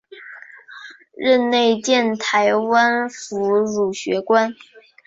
任内建台湾府儒学宫。